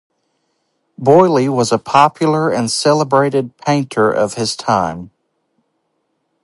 Boilly was a popular and celebrated painter of his time.